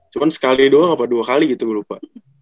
cuma sekali doang apa dua kali gitu gue lupa